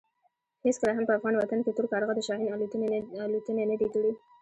هېڅکله هم په افغان وطن کې تور کارغه د شاهین الوتنې نه دي کړې.